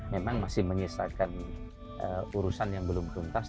memang masih menyisakan urusan yang belum tuntas